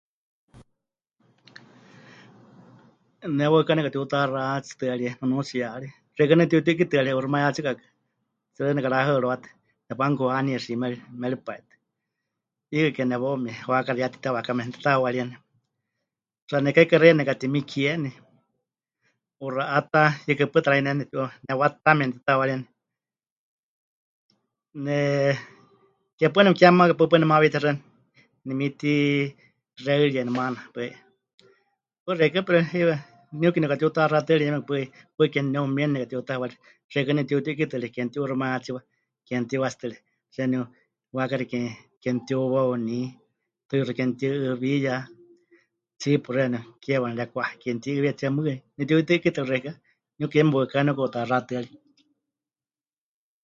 Ne waɨká nepɨkatiuta'ɨxatsitɨ́arie nunuutsiyari, xeikɨ́a nepɨtiuti'ɨ́kitɨarie 'uuximayátsikakɨ, tsi nekarahɨawarɨwatɨ nepanukuhanie xiimeri, méripai tɨ, 'iikɨ kenewaumie waakaxi ya titewakame nepɨtitahɨawaríeni, xɨka nekaheikaxeiya nemɨkatimikieni, 'uxa'á ta yɨkɨ pɨta ranuyɨneme, newatamie nemɨtitahɨawaríeni, eh, ke paɨ nemɨkemaka paɨ paɨ nemawitexɨani nemitixeɨrieni maana paɨ 'i, paɨ xeikɨ́a pero heiwa niuki nepɨkatiutaxatɨarie yeme paɨ 'i, paɨ ketineumieni nepɨkatiutahɨawarie, xeikɨ́a nepɨtiuti'ɨ́kitɨarie ke mɨti'uuximayátsiwa, ke mɨtiwatsitɨre, xeeníu waakaxi ke... ke mɨtiuwauní, tuixu ke mɨtiu'ɨɨwíya, tsiipu xeeníu keewa mɨrekwá'a ke mɨtiu'ɨɨwiya tsiere mɨɨkɨ pɨnetiuti'ɨ́kitɨa xeikɨ́a, niuki yeme waɨká nepɨka'utaxatɨ́arie.